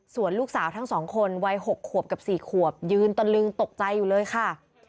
ส่วนลูกสาวทั้งสองคนวัย๖ขวบกับ๔ขวบยืนตะลึงตกใจอยู่เลยค่ะ